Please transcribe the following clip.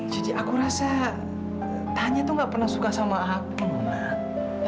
jadi aku rasa tanya tuh gak pernah suka sama aku nona